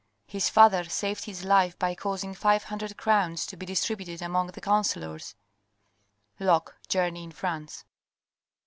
His father saved his life by causing five hundred crowns to be distributed among the councillors. — Loekt: Journey in France.